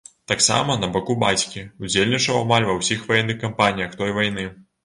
Таксама, на баку бацькі, ўдзельнічаў амаль ва ўсіх ваенных кампаніях той вайны.